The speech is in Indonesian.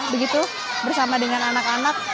begitu bersama dengan anak anak